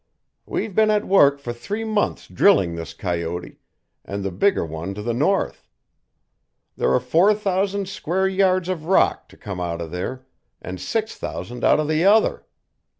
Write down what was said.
"We've been at work for three months drilling this coyote, and the bigger one to the north. There are four thousand square yards of rock to come out of there, and six thousand out of the other.